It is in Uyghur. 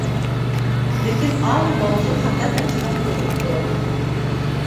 لېكىن ئاۋۇ ماۋزۇ خاتا تەرجىمە قىلىنىپتۇ.